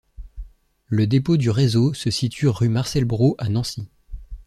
Le dépôt du réseau se situe rue Marcel Brot à Nancy.